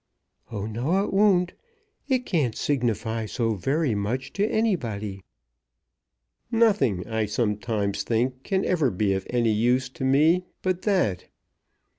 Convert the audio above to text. "Oh, no it won't. It can't signify so very much to anybody." "Nothing, I sometimes think, can ever be of any use to me but that."